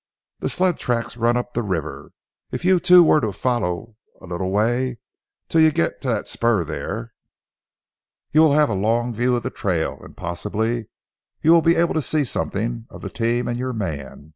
"The sled tracks run up the river. If you two were to follow a little way, till you get to that spur there, you will have a long view of the trail, and possibly you will be able to see something of the team and your man.